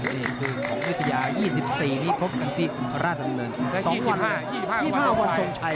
นี่คือของวิทยา๒๔นี้พบกันที่ราชดำเนิน๒๕๒๕วันทรงชัย